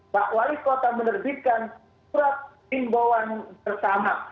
pak wali kota menerbitkan surat imbauan bersama